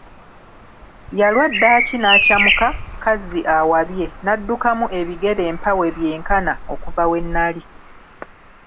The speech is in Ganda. Yalwa ddaaki n'akyamuka kazzi awabye n'addukamu ebigere mpa we byenkana okuva we nali.